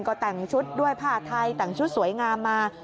ก็แต่งชุดด้วยผ้าไทยแต่งชุดสวยงามมา